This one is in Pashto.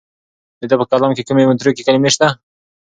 د ده په کلام کې کومې متروکې کلمې شته؟